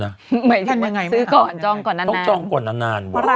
ไม่ใช่ซื้อก่อนจองก่อนนาน